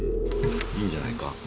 いいんじゃないか？